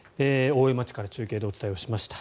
大江町から中継でお伝えをしました。